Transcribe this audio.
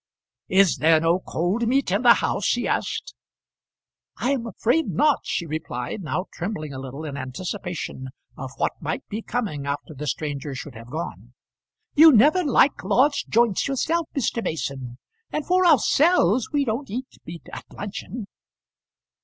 "Is there no cold meat in the house?" he asked. "I am afraid not," she replied, now trembling a little in anticipation of what might be coming after the stranger should have gone. "You never like large joints yourself, Mr. Mason; and for ourselves we don't eat meat at luncheon."